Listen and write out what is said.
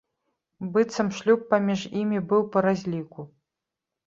Быццам, шлюб паміж імі быў па разліку.